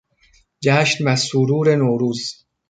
جشن و سرور نوروز